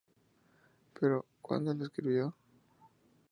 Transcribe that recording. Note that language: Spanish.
Pero ¿cuándo la escribió?